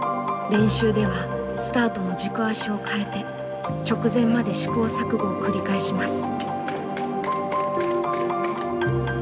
練習ではスタートの軸足を変えて直前まで試行錯誤を繰り返します。